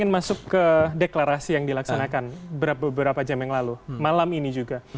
masuk ke deklarasi yang dilaksanakan beberapa jam yang lalu malam ini juga